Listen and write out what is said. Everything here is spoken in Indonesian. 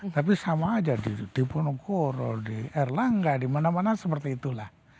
tapi sama aja di ponokoro di erlangga di mana mana seperti itulah